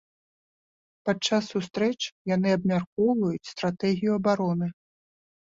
Падчас сустрэч яны абмяркоўваюць стратэгію абароны.